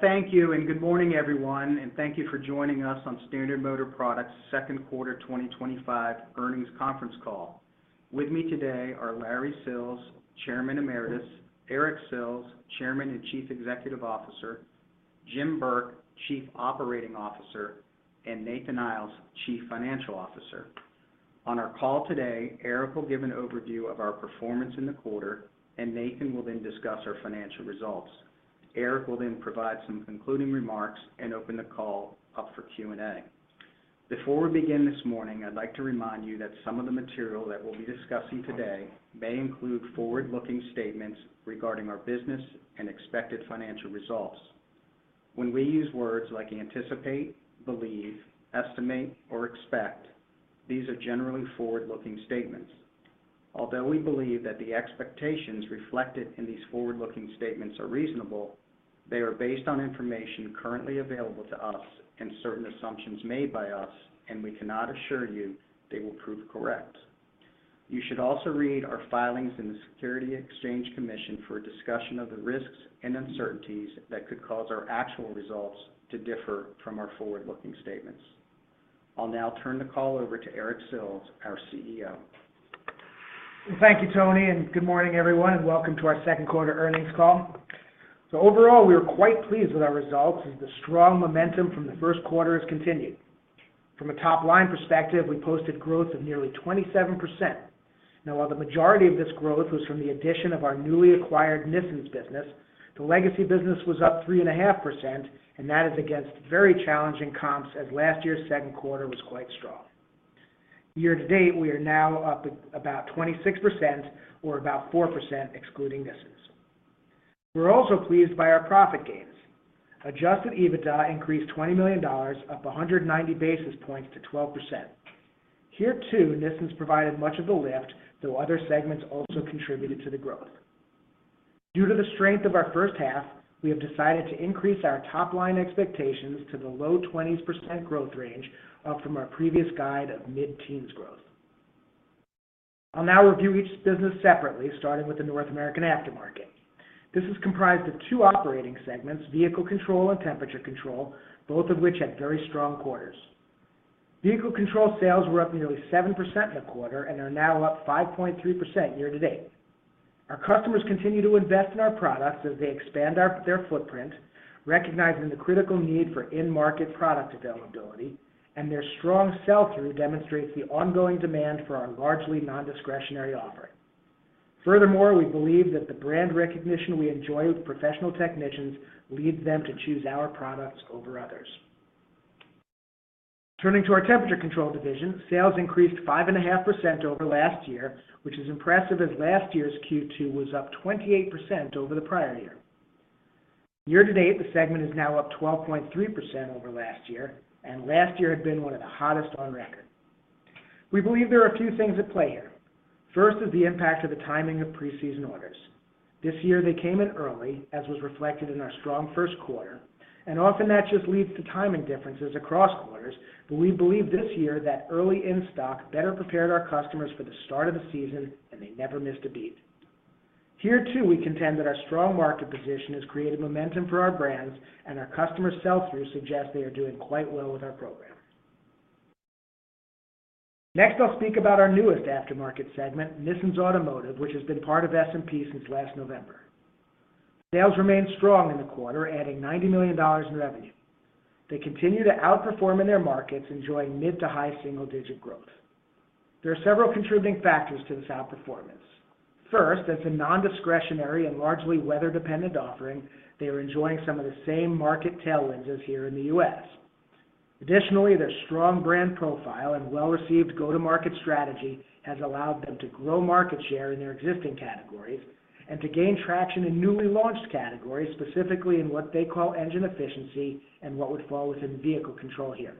Thank you and good morning, everyone, and thank you for joining us on Standard Motor Products' second quarter 2025 earnings conference call. With me today are Larry Sills, Chairman Emeritus, Eric Sills, Chairman and Chief Executive Officer, Jim Burke, Chief Operating Officer, and Nathan Iles, Chief Financial Officer. On our call today, Eric will give an overview of our performance in the quarter, and Nathan will then discuss our financial results. Eric will then provide some concluding remarks and open the call up for Q&A. Before we begin this morning, I'd like to remind you that some of the material that we'll be discussing today may include forward-looking statements regarding our business and expected financial results. When we use words like "anticipate," "believe," "estimate," or "expect," these are generally forward-looking statements. Although we believe that the expectations reflected in these forward-looking statements are reasonable, they are based on information currently available to us and certain assumptions made by us, and we cannot assure you they will prove correct. You should also read our filings in the Securities and Exchange Commission for a discussion of the risks and uncertainties that could cause our actual results to differ from our forward-looking statements. I'll now turn the call over to Eric Sills, our CEO. Thank you, Tony, and good morning, everyone, and welcome to our second quarter earnings call. Overall, we are quite pleased with our results, as the strong momentum from the first quarter has continued. From a top-line perspective, we posted growth of nearly 27%. While the majority of this growth was from the addition of our newly acquired Nissens business, the legacy business was up 3.5%, and that is against very challenging comps as last year's second quarter was quite strong. Year to date, we are now up about 26%, or about 4% excluding Nissens. We're also pleased by our profit gains. Adjusted EBITDA increased $20 million, up 190 basis points to 12%. Here too, Nissens provided much of the lift, though other segments also contributed to the growth. Due to the strength of our first half, we have decided to increase our top-line expectations to the low 20% growth range, up from our previous guide of mid-teens growth. I'll now review each business separately, starting with the North American aftermarket. This is comprised of two operating segments: Vehicle Control and Temperature Control, both of which had very strong quarters. Vehicle Control sales were up nearly 7% in the quarter and are now up 5.3% year to date. Our customers continue to invest in our products as they expand their footprint, recognizing the critical need for in-market product availability, and their strong sell-through demonstrates the ongoing demand for our largely non-discretionary offering. Furthermore, we believe that the brand recognition we enjoy with professional technicians leads them to choose our products over others. Turning to our Temperature Control division, sales increased 5.5% over last year, which is impressive as last year's Q2 was up 28% over the prior year. Year to date, the segment is now up 12.3% over last year, and last year had been one of the hottest on record. We believe there are a few things at play here. First is the impact of the timing of preseason orders. This year, they came in early, as was reflected in our strong first quarter, and often that just leads to timing differences across quarters, but we believe this year that early in-stock better prepared our customers for the start of the season, and they never missed a beat. Here too, we contend that our strong market position has created momentum for our brands, and our customer sell-through suggests they are doing quite well with our program. Next, I'll speak about our newest aftermarket segment, Nissens Automotive, which has been part of SMP since last November. Sales remained strong in the quarter, adding $90 million in revenue. They continue to outperform in their markets, enjoying mid to high single-digit growth. There are several contributing factors to this outperformance. First, as a non-discretionary and largely weather-dependent offering, they are enjoying some of the same market tailwinds as here in the U.S. Additionally, their strong brand profile and well-received go-to-market strategy have allowed them to grow market share in their existing categories and to gain traction in newly launched categories, specifically in what they call engine efficiency and what would fall within Vehicle Control here.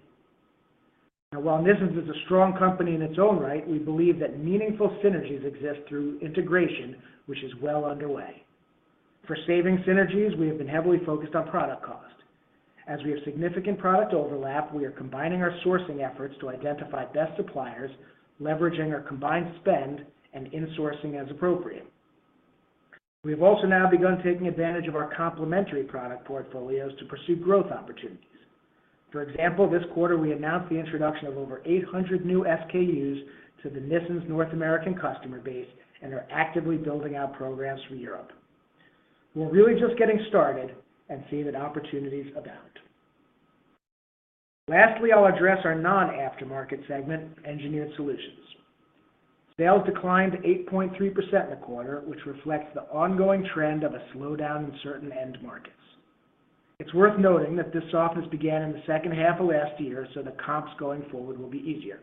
Now, while Nissens is a strong company in its own right, we believe that meaningful synergies exist through integration, which is well underway. For saving synergies, we have been heavily focused on product cost. As we have significant product overlap, we are combining our sourcing efforts to identify best suppliers, leveraging our combined spend, and insourcing as appropriate. We have also now begun taking advantage of our complementary product portfolios to pursue growth opportunities. For example, this quarter we announced the introduction of over 800 new SKUs to the Nissens North American customer base and are actively building out programs for Europe. We're really just getting started and seeing that opportunities abound. Lastly, I'll address our non-aftermarket segment, Engineered Solutions. Sales declined 8.3% in the quarter, which reflects the ongoing trend of a slowdown in certain end markets. It's worth noting that this softness began in the second half of last year, so the comps going forward will be easier.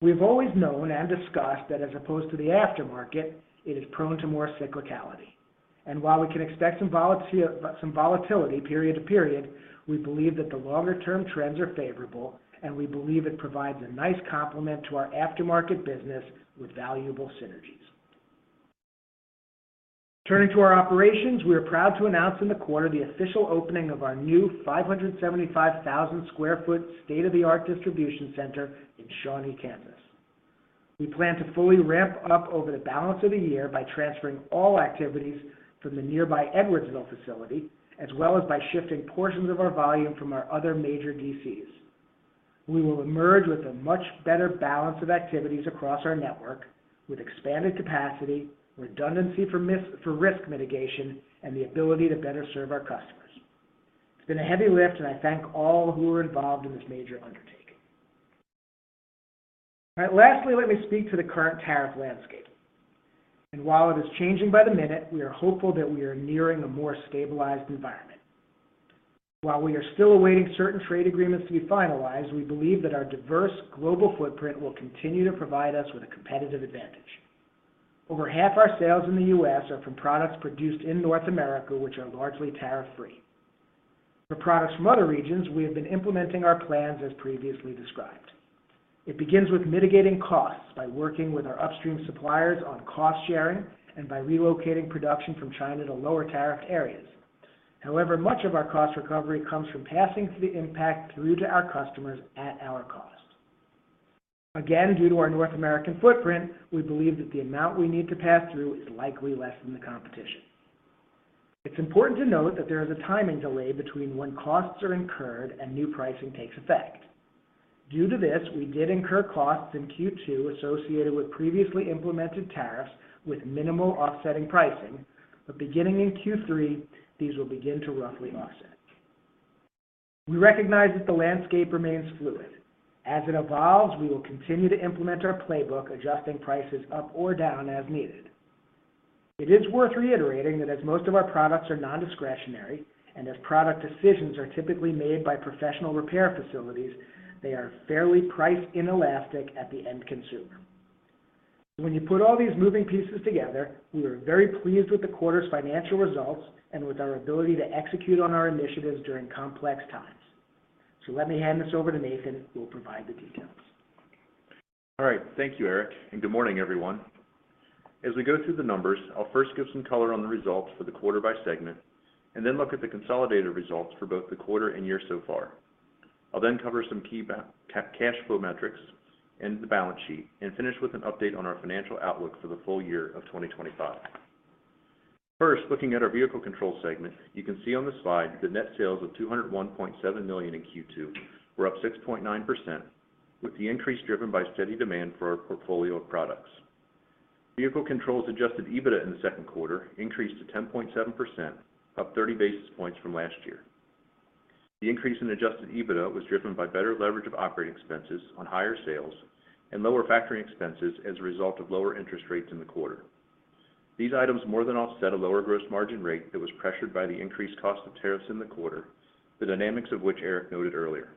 We have always known and discussed that, as opposed to the aftermarket, it is prone to more cyclicality. While we can expect some volatility period to period, we believe that the longer-term trends are favorable, and we believe it provides a nice complement to our aftermarket business with valuable synergies. Turning to our operations, we are proud to announce in the quarter the official opening of our new 575,000 sq ft state-of-the-art distribution center in Shawnee Campus. We plan to fully ramp up over the balance of the year by transferring all activities from the nearby Edwardsville facility, as well as by shifting portions of our volume from our other major DCs. We will emerge with a much better balance of activities across our network, with expanded capacity, redundancy for risk mitigation, and the ability to better serve our customers. It's been a heavy lift, and I thank all who are involved in this major undertaking. Lastly, let me speak to the current tariff landscape. While it is changing by the minute, we are hopeful that we are nearing a more stabilized environment. While we are still awaiting certain trade agreements to be finalized, we believe that our diverse global footprint will continue to provide us with a competitive advantage. Over half our sales in the U.S. are from products produced in North America, which are largely tariff-free. For products from other regions, we have been implementing our plans as previously described. It begins with mitigating costs by working with our upstream suppliers on cost sharing and by relocating production from China to lower tariffed areas. However, much of our cost recovery comes from passing through the impact through to our customers at our cost. Due to our North American footprint, we believe that the amount we need to pass through is likely less than the competition. It's important to note that there is a timing delay between when costs are incurred and new pricing takes effect. Due to this, we did incur costs in Q2 associated with previously implemented tariffs with minimal offsetting pricing, but beginning in Q3, these will begin to roughly offset. We recognize that the landscape remains fluid. As it evolves, we will continue to implement our playbook, adjusting prices up or down as needed. It is worth reiterating that as most of our products are non-discretionary and as product decisions are typically made by professional repair facilities, they are fairly price inelastic at the end consumer. When you put all these moving pieces together, we are very pleased with the quarter's financial results and with our ability to execute on our initiatives during complex times. Let me hand this over to Nathan, who will provide the details. All right, thank you, Eric, and good morning, everyone. As we go through the numbers, I'll first give some color on the results for the quarter by segment and then look at the consolidated results for both the quarter and year so far. I'll then cover some key cash flow metrics, end the balance sheet, and finish with an update on our financial outlook for the full year of 2025. First, looking at our Vehicle Control segment, you can see on the slide that the net sales of $201.7 million in Q2 were up 6.9%, with the increase driven by steady demand for our portfolio of products. Vehicle Control's adjusted EBITDA in the second quarter increased to 10.7%, up 30 basis points from last year. The increase in adjusted EBITDA was driven by better leverage of operating expenses on higher sales and lower factoring expenses as a result of lower interest rates in the quarter. These items more than offset a lower gross margin rate that was pressured by the increased cost of tariffs in the quarter, the dynamics of which Eric noted earlier.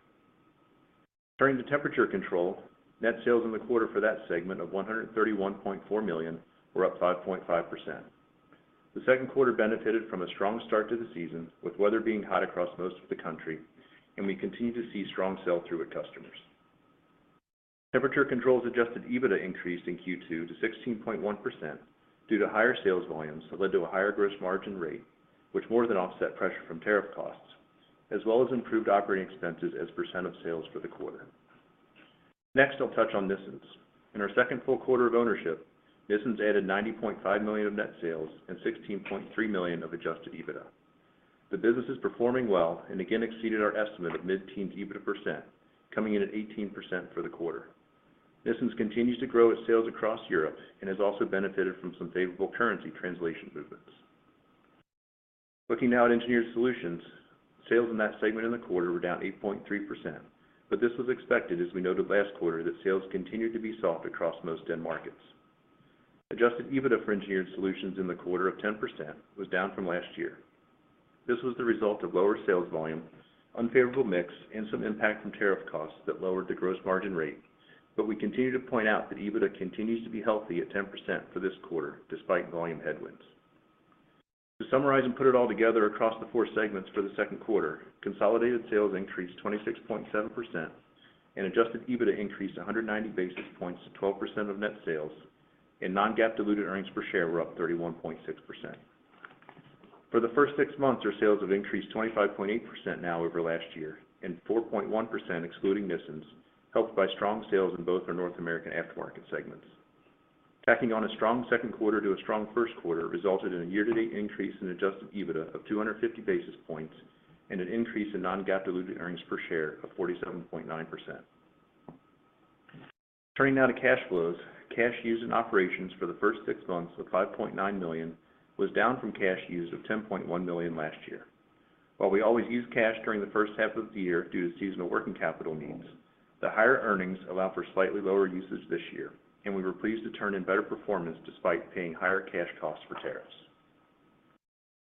Turning to Temperature Control, net sales in the quarter for that segment of $131.4 million were up 5.5%. The second quarter benefited from a strong start to the season, with weather being hot across most of the country, and we continue to see strong sell-through with customers. Temperature Control's adjusted EBITDA increased in Q2 to 16.1% due to higher sales volumes that led to a higher gross margin rate, which more than offset pressure from tariff costs, as well as improved operating expenses as percent of sales for the quarter. Next, I'll touch on Nissens. In our second full quarter of ownership, Nissens added $90.5 million of net sales and $16.3 million of adjusted EBITDA. The business is performing well and again exceeded our estimate of mid-teens EBITDA percent, coming in at 18% for the quarter. Nissens continues to grow its sales across Europe and has also benefited from some favorable currency translation movements. Looking now at Engineered Solutions, sales in that segment in the quarter were down 8.3%, but this was expected as we noted last quarter that sales continued to be soft across most end markets. Adjusted EBITDA for Engineered Solutions in the quarter of 10% was down from last year. This was the result of lower sales volume, unfavorable mix, and some impact from tariff costs that lowered the gross margin rate, but we continue to point out that EBITDA continues to be healthy at 10% for this quarter despite volume headwinds. To summarize and put it all together across the four segments for the second quarter, consolidated sales increased 26.7% and adjusted EBITDA increased 190 basis points to 12% of net sales, and non-GAAP diluted earnings per share were up 31.6%. For the first six months, our sales have increased 25.8% now over last year and 4.1% excluding Nissens, helped by strong sales in both our North American aftermarket segments. Tacking on a strong second quarter to a strong first quarter resulted in a year-to-date increase in adjusted EBITDA of 250 basis points and an increase in non-GAAP diluted earnings per share of 47.9%. Turning now to cash flows, cash used in operations for the first six months with $5.9 million was down from cash used of $10.1 million last year. While we always use cash during the first half of the year due to seasonal working capital needs, the higher earnings allow for slightly lower usage this year, and we were pleased to turn in better performance despite paying higher cash costs for tariffs.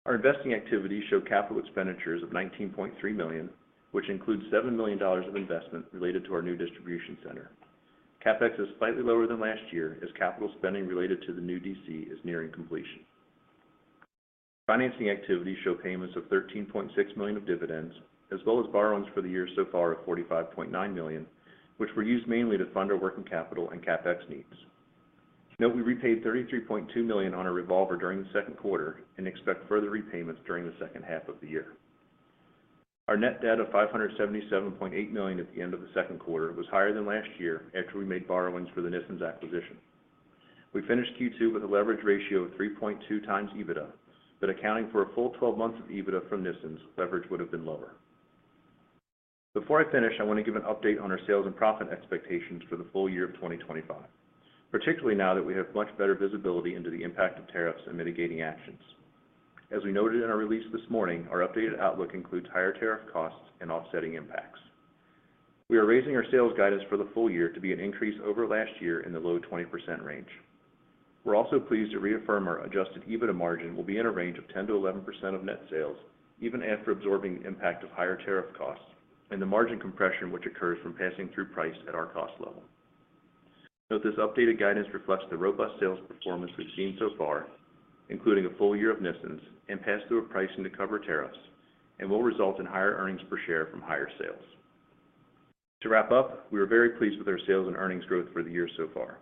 Our investing activities show capital expenditures of $19.3 million, which includes $7 million of investment related to our new distribution center. CapEx is slightly lower than last year as capital spending related to the new DC is nearing completion. Financing activities show payments of $13.6 million of dividends, as well as borrowings for the year so far of $45.9 million, which were used mainly to fund our working capital and CapEx needs. Note we repaid $33.2 million on a revolver during the second quarter and expect further repayments during the second half of the year. Our net debt of $577.8 million at the end of the second quarter was higher than last year after we made borrowings for the Nissens Automotive acquisition. We finished Q2 with a leverage ratio of 3.2x EBITDA, but accounting for a full 12 months of EBITDA from Nissens, leverage would have been lower. Before I finish, I want to give an update on our sales and profit expectations for the full year of 2025, particularly now that we have much better visibility into the impact of tariffs and mitigating actions. As we noted in our release this morning, our updated outlook includes higher tariff costs and offsetting impacts. We are raising our sales guidance for the full year to be an increase over last year in the low 20% range. We're also pleased to reaffirm our adjusted EBITDA margin will be in a range of 10%-11% of net sales, even after absorbing the impact of higher tariff costs and the margin compression which occurs from passing through price at our cost level. Note this updated guidance reflects the robust sales performance we've seen so far, including a full year of Nissens Automotive and pass-through pricing to cover tariffs, and will result in higher earnings per share from higher sales. To wrap up, we are very pleased with our sales and earnings growth for the year so far.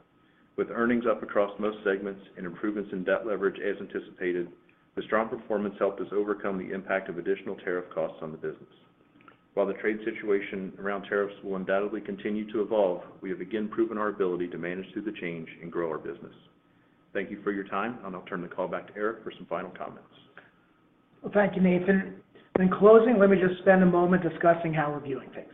With earnings up across most segments and improvements in debt leverage as anticipated, the strong performance helped us overcome the impact of additional tariff costs on the business. While the trade situation around tariffs will undoubtedly continue to evolve, we have again proven our ability to manage through the change and grow our business. Thank you for your time, and I'll turn the call back to Eric for some final comments. Thank you, Nathan. In closing, let me just spend a moment discussing how we're viewing things.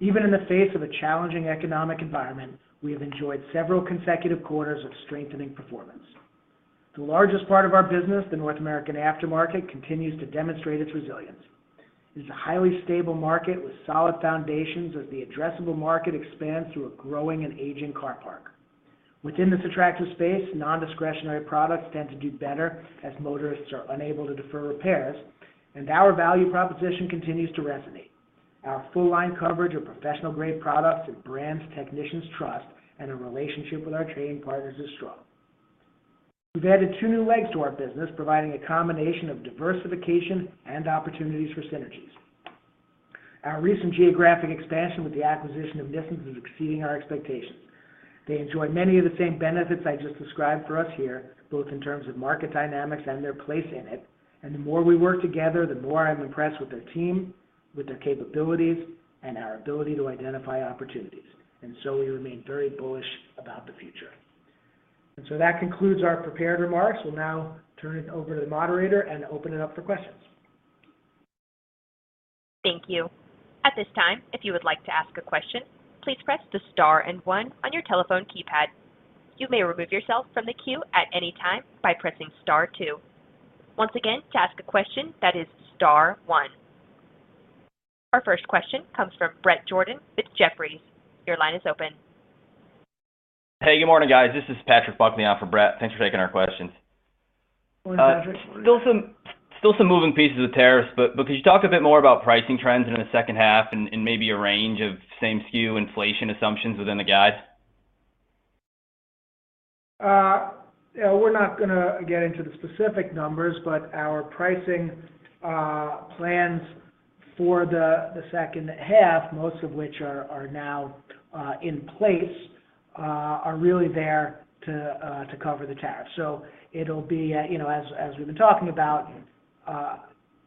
Even in the face of a challenging economic environment, we have enjoyed several consecutive quarters of strengthening performance. The largest part of our business, the North American aftermarket, continues to demonstrate its resilience. It is a highly stable market with solid foundations as the addressable market expands through a growing and aging car park. Within this attractive space, non-discretionary products tend to do better as motorists are unable to defer repairs, and our value proposition continues to resonate. Our full-line coverage of professional-grade products and brands technicians trust, and our relationship with our trading partners is strong. We've added two new legs to our business, providing a combination of diversification and opportunities for synergies. Our recent geographic expansion with the acquisition of Nissens is exceeding our expectations. They enjoy many of the same benefits I just described for us here, both in terms of market dynamics and their place in it, and the more we work together, the more I'm impressed with their team, with their capabilities, and our ability to identify opportunities. We remain very bullish about the future. That concludes our prepared remarks. We'll now turn it over to the moderator and open it up for questions. Thank you. At this time, if you would like to ask a question, please press the star and one on your telephone keypad. You may remove yourself from the queue at any time by pressing star two. Once again, to ask a question, that is star one. Our first question comes from Bret Jordan with Jefferies. Your line is open. Hey, good morning, guys. This is Patrick Buckley on for Bret. Thanks for taking our questions. Still some moving pieces with tariffs, but could you talk a bit more about pricing trends in the second half and maybe a range of same SKU inflation assumptions within the guide? We're not going to get into the specific numbers, but our pricing plans for the second half, most of which are now in place, are really there to cover the tariffs. It'll be, as we've been talking about,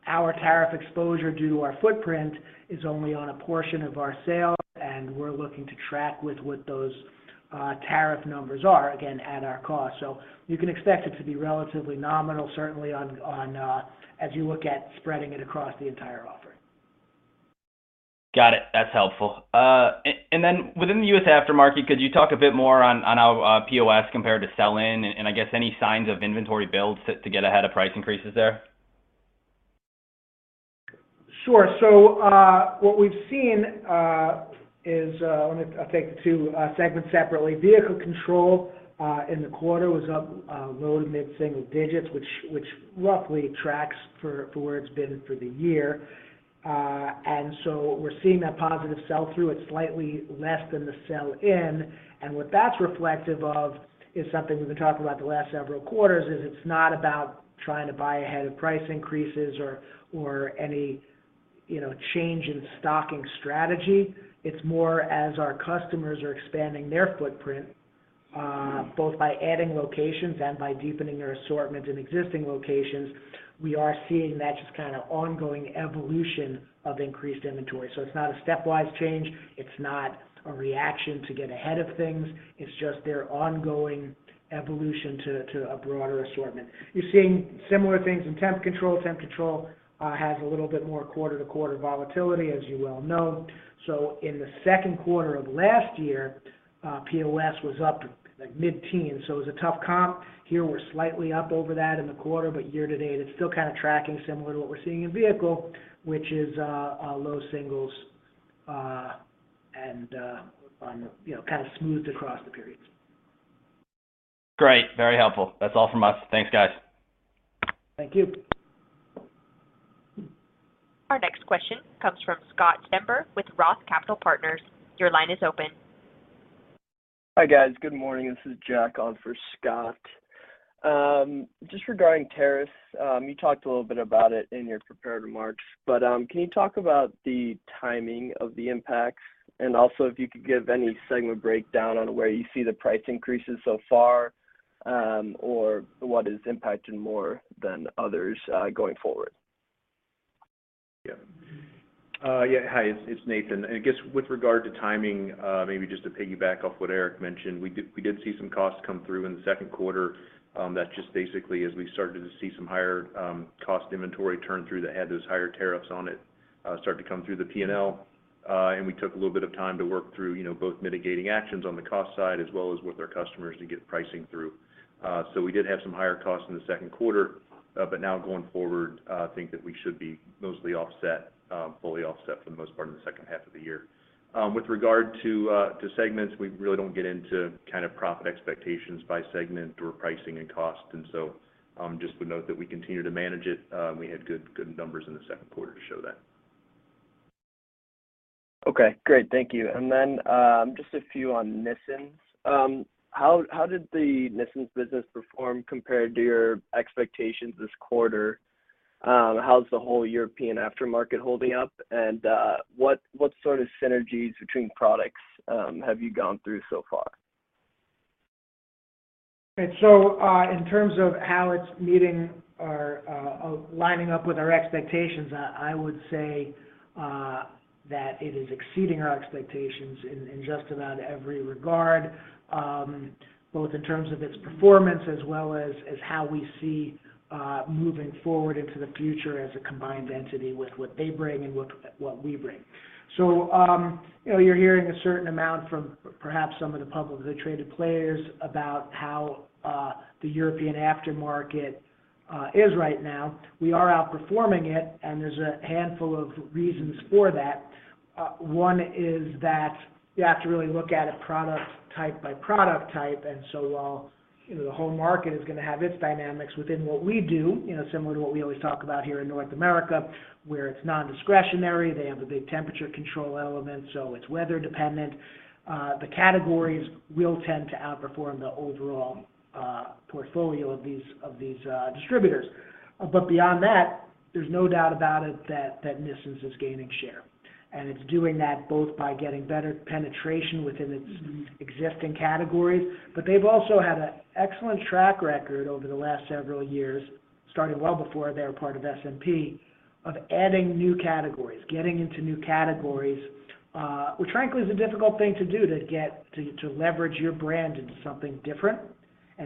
our tariff exposure due to our footprint is only on a portion of our sale, and we're looking to track with what those tariff numbers are, again, at our cost. You can expect it to be relatively nominal, certainly as you look at spreading it across the entire offering. Got it. That's helpful. Within the U.S. aftermarket, could you talk a bit more on how POS compared to sell-in, and I guess any signs of inventory builds to get ahead of price increases there? Sure. What we've seen is, I'll take the two segments separately. Vehicle Control in the quarter was up low to mid-single digits, which roughly tracks for where it's been for the year. We're seeing that positive sell-through. It's slightly less than the sell-in. What that's reflective of is something we've been talking about the last several quarters. It's not about trying to buy ahead of price increases or any change in stocking strategy. It's more as our customers are expanding their footprint, both by adding locations and by deepening their assortment in existing locations, we are seeing that ongoing evolution of increased inventory. It's not a stepwise change. It's not a reaction to get ahead of things. It's just their ongoing evolution to a broader assortment. You're seeing similar things in Temperature Control. Temperature Control has a little bit more quarter-to-quarter volatility, as you well know. In the second quarter of last year, POS was up like mid-teens, so it was a tough comp. Here we're slightly up over that in the quarter, but year to date it's still kind of tracking similar to what we're seeing in Vehicle, which is low singles and kind of smoothed across the periods. Great. Very helpful. That's all from us. Thanks, guys. Thank you. Our next question comes from Scott Stember with ROTH Capital Partners. Your line is open. Hi guys, good morning. This is Jack on for Scott. Just regarding tariffs, you talked a little bit about it in your prepared remarks, but can you talk about the timing of the impacts and also if you could give any segment breakdown on where you see the price increases so far or what is impacted more than others going forward? Yeah, hi, it's Nathan. With regard to timing, maybe just to piggyback off what Eric mentioned, we did see some costs come through in the second quarter. That's just basically as we started to see some higher cost inventory turn through that had those higher tariffs on it start to come through the P&L. We took a little bit of time to work through both mitigating actions on the cost side as well as with our customers to get pricing through. We did have some higher costs in the second quarter, but now going forward, I think that we should be mostly offset, fully offset for the most part in the second half of the year. With regard to segments, we really don't get into kind of profit expectations by segment or pricing and cost. I would note that we continue to manage it. We had good numbers in the second quarter to show that. Okay, great. Thank you. Just a few on Nissens. How did the Nissens business perform compared to your expectations this quarter? How's the whole European aftermarket holding up? What sort of synergies between products have you gone through so far? In terms of how it's meeting or lining up with our expectations, I would say that it is exceeding our expectations in just about every regard, both in terms of its performance as well as how we see moving forward into the future as a combined entity with what they bring and what we bring. You're hearing a certain amount from perhaps some of the publicly traded players about how the European aftermarket is right now. We are outperforming it, and there's a handful of reasons for that. One is that you have to really look at it product type by product type. While the whole market is going to have its dynamics within what we do, similar to what we always talk about here in North America, where it's non-discretionary, they have the big Temperature Control elements, so it's weather-dependent, the categories will tend to outperform the overall portfolio of these distributors. Beyond that, there's no doubt about it that Nissens is gaining share. It's doing that both by getting better penetration within its existing categories, but they've also had an excellent track record over the last several years, starting well before they were part of SMP, of adding new categories, getting into new categories, which frankly is a difficult thing to do to leverage your brand into something different.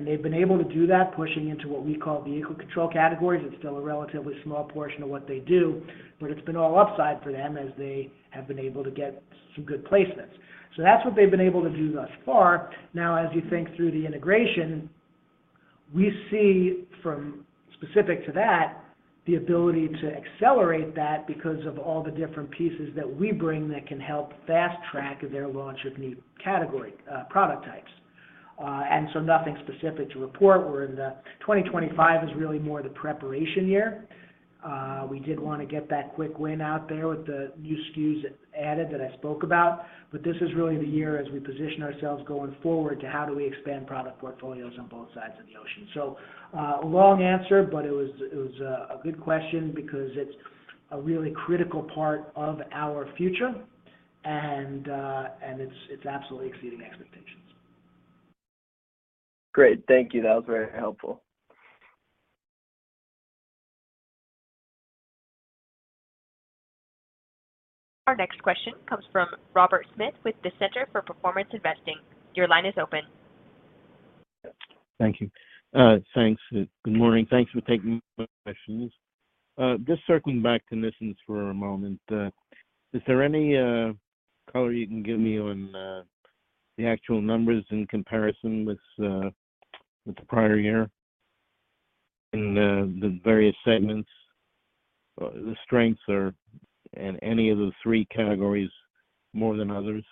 They've been able to do that pushing into what we call Vehicle Control categories. It's still a relatively small portion of what they do, but it's been all upside for them as they have been able to get some good placements. That's what they've been able to do thus far. As you think through the integration, we see from specific to that the ability to accelerate that because of all the different pieces that we bring that can help fast-track their launch of new category product types. Nothing specific to report. 2025 is really more the preparation year. We did want to get that quick win out there with the new SKUs added that I spoke about. This is really the year as we position ourselves going forward to how do we expand product portfolios on both sides of the ocean. A long answer, but it was a good question because it's a really critical part of our future. It's absolutely exceeding expectations. Great. Thank you. That was very helpful. Our next question comes from Robert Smith with the Center for Performance Investing. Your line is open. Thank you. Good morning. Thanks for taking my questions. Just circling back to Nissens for a moment, is there any color you can give me on the actual numbers in comparison with the prior year in the various segments? The strengths are in any of the three categories more than others?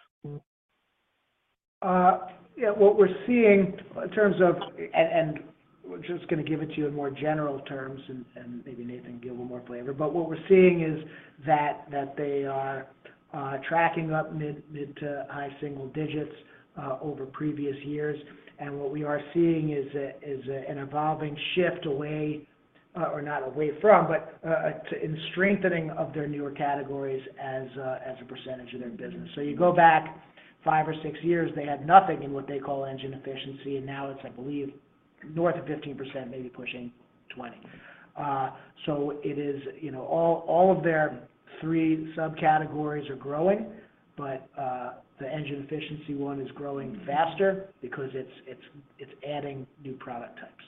Yeah, what we're seeing in terms of, and we're just going to give it to you in more general terms, and maybe Nathan give a little more flavor, what we're seeing is that they are tracking up mid to high single digits over previous years. What we are seeing is an evolving shift away, or not away from, but in strengthening of their newer categories as a percentage of their business. You go back five or six years, they had nothing in what they call engine efficiency, and now it's, I believe, north of 15%, maybe pushing 20%. It is, you know, all of their three subcategories are growing, but the engine efficiency one is growing faster because it's adding new product types.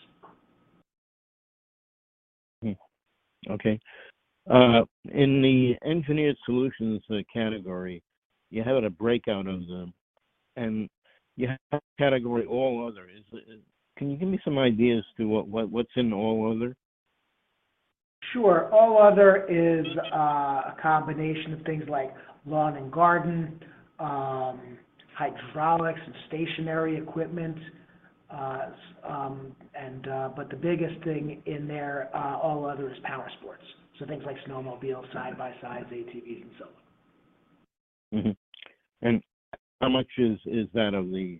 Okay. In the Engineered Solutions segment, you have a breakout of them, and you have a category all other. Can you give me some ideas to what's in all other? Sure. All other is a combination of things like lawn and garden, hydraulics, and stationary equipment. The biggest thing in there, all other, is power sports, so things like snowmobiles, side-by-sides, ATVs, and so on. How much is that of the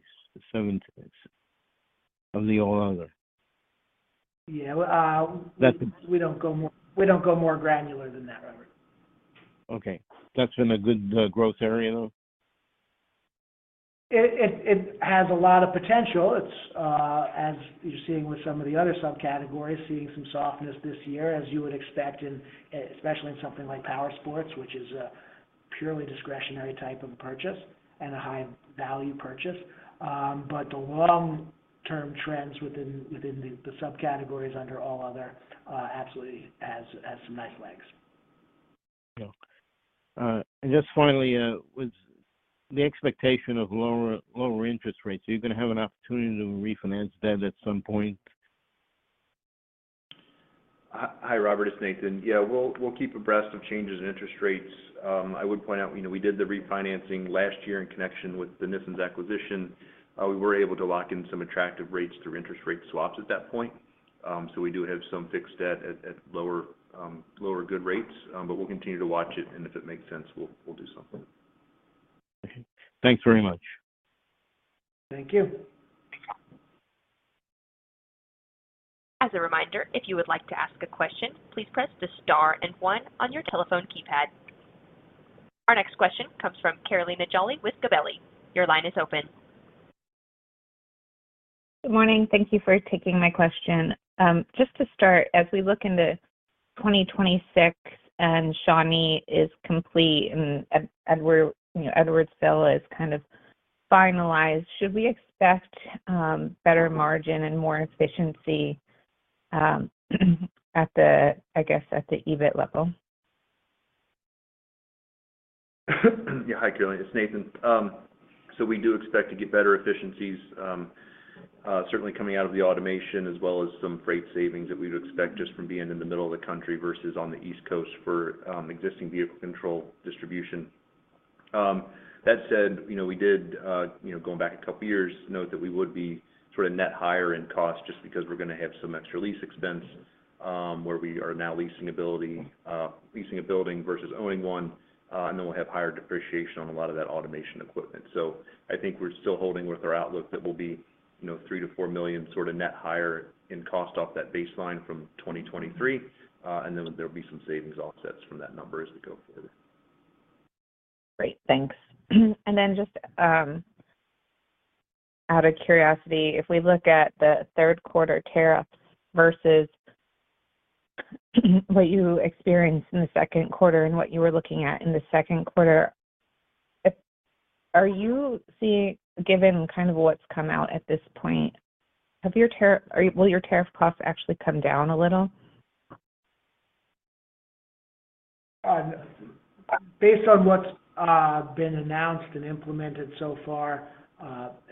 seven, of the all other? Yeah, we don't go more granular than that, Robert. Okay. That's been a good growth area, though? It has a lot of potential. It's, as you're seeing with some of the other subcategories, seeing some softness this year, as you would expect, especially in something like power sports, which is a purely discretionary type of a purchase and a high-value purchase. The long-term trends within the subcategories under all other absolutely have some nice legs. With the expectation of lower interest rates, are you going to have an opportunity to refinance that at some point? Hi, Robert. It's Nathan. Yeah, we'll keep abreast of changes in interest rates. I would point out, you know, we did the refinancing last year in connection with the Nissens acquisition. We were able to lock in some attractive rates through interest rate swaps at that point. We do have some fixed debt at lower, lower good rates, but we'll continue to watch it, and if it makes sense, we'll do something. Okay, thanks very much. Thank you. As a reminder, if you would like to ask a question, please press the star and one on your telephone keypad. Our next question comes from Carolina Jolly with Gabelli. Your line is open. Good morning. Thank you for taking my question. Just to start, as we look into 2026 and Shawnee is complete and Edwardsville is kind of finalized, should we expect better margin and more efficiency at the, I guess, at the EBIT level? Yeah, hi, Carolina. It's Nathan. We do expect to get better efficiencies, certainly coming out of the automation as well as some freight savings that we would expect just from being in the middle of the country versus on the East Coast for existing Vehicle Control distribution. That said, going back a couple of years, we noted that we would be sort of net higher in cost just because we're going to have some extra lease expense where we are now leasing a building versus owning one, and then we'll have higher depreciation on a lot of that automation equipment. I think we're still holding with our outlook that we'll be $3 million-$4 million sort of net higher in cost off that baseline from 2023, and then there'll be some savings offsets from that number as we go forward. Great. Thanks. If we look at the third quarter tariffs versus what you experienced in the second quarter and what you were looking at in the second quarter, are you seeing, given kind of what's come out at this point, will your tariff costs actually come down a little? Based on what's been announced and implemented so far,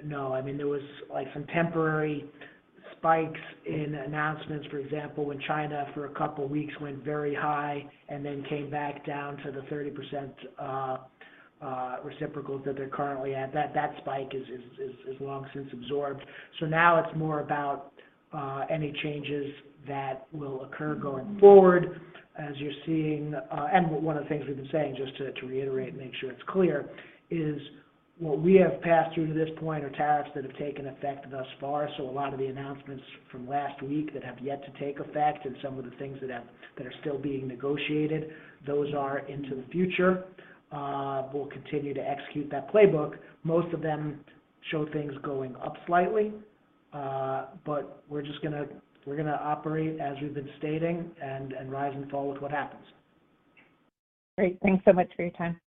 no. I mean, there was like some temporary spikes in announcements, for example, when China for a couple of weeks went very high and then came back down to the 30% reciprocal that they're currently at. That spike is long since absorbed. Now it's more about any changes that will occur going forward, as you're seeing. One of the things we've been saying, just to reiterate and make sure it's clear, is what we have passed through to this point are tariffs that have taken effect thus far. A lot of the announcements from last week that have yet to take effect and some of the things that are still being negotiated, those are into the future. We'll continue to execute that playbook. Most of them show things going up slightly. We're just going to operate as we've been stating and rise and fall with what happens. Great. Thanks so much for your time.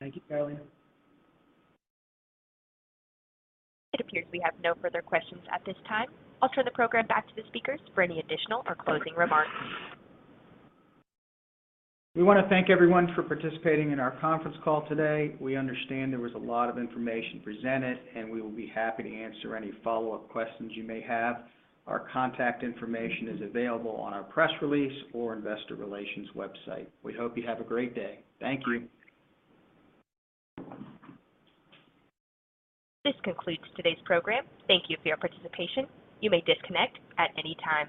Thank you, Carolina. It appears we have no further questions at this time. I'll turn the program back to the speakers for any additional or closing remarks. We want to thank everyone for participating in our conference call today. We understand there was a lot of information presented, and we will be happy to answer any follow-up questions you may have. Our contact information is available on our press release or investor relations website. We hope you have a great day. Thank you. This concludes today's program. Thank you for your participation. You may disconnect at any time.